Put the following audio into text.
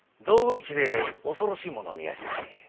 道具市で恐ろしいものを見やしてね。